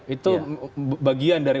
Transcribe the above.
itu bagian dari